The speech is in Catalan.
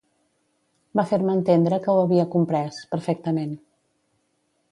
Va fer-me entendre que ho havia comprés, perfectament.